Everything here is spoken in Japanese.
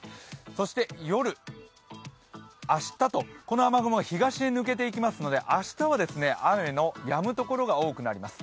そして夜、明日と、この雨雲は東に抜けていきますので明日は雨のやむ所が多くなります。